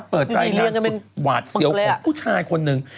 เปิดรายงานสุดหวาดเสียวของผู้ชายคนหนึ่ง